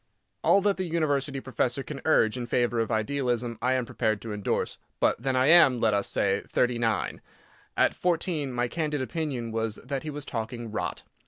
All that the University professor can urge in favour of idealism I am prepared to endorse. But then I am—let us say, thirty nine. At fourteen my candid opinion was that he was talking "rot."